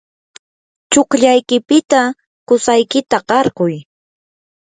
tsukllaykipita qusaykita qarquy.